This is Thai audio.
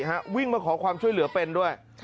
วิ่งมาขอความช่วยเหลือเป็นด้วย